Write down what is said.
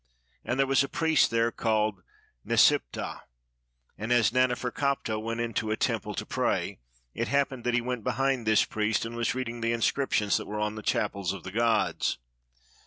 And there was a priest there called Nesiptah; and as Naneferkaptah went into a temple to pray, it happened that he went behind this priest, and was reading the inscriptions that were on the chapels of the gods.